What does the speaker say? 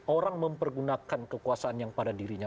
orang mempergunakan kekuasaan yang pada dirinya